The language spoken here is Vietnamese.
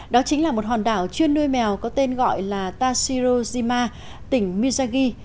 đó chính là một hòn đảo chuyên nuôi mèo có tên gọi là tashirojima tỉnh misagi